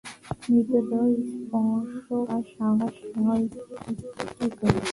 মৃতদেহ স্পর্শ করার সাহস হয় কি করে?